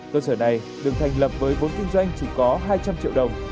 cơ sở này được thành lập với vốn kinh doanh chỉ có hai trăm linh triệu đồng